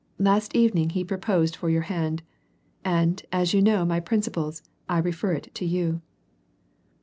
Last evening he proposed for your hand. And, as you know my principles, I refer it to you."